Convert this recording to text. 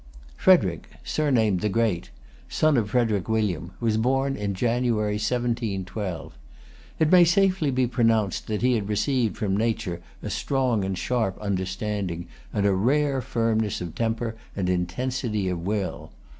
Frederic, surnamed the Great, son of Frederic William, was born in January, 1712. It may safely be pronounced that he had received from nature a strong and sharp understanding, and a rare firmness of temper and intensity of will.